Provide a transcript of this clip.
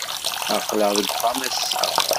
Aql-aɣ deg uxxam ass-a.